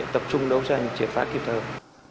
tập trung đấu tranh triệt phá kịp thời